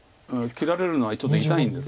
切られるのはちょっと痛いんです。